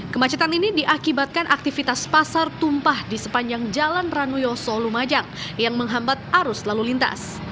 kemacetan ini diakibatkan aktivitas pasar tumpah di sepanjang jalan ranuyoso lumajang yang menghambat arus lalu lintas